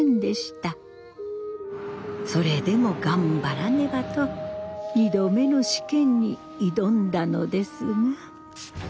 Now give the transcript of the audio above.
それでも頑張らねばと２度目の試験に挑んだのですが。